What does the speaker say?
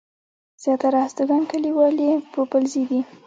زياتره هستوګن کلیوال يې پوپلزي دي.